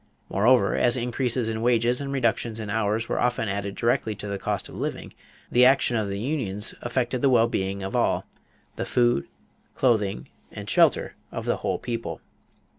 Moreover, as increases in wages and reductions in hours often added directly to the cost of living, the action of the unions affected the well being of all the food, clothing, and shelter of the whole people.